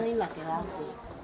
di rumah sakit